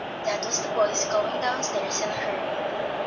that was the boys going down stairs in a hurry.